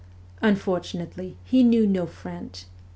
Unfortunately, he knew no French.